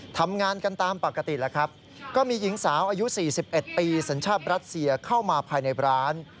ทำงานกันตามปกติแล้วครับก็มีหญิงสาวอายุ๔๑ปีสัญชาติรัสเซียเข้ามาภายในร้าน